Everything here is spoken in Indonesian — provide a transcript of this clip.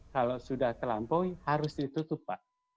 kalau sudah terlampaui harus ditutup pak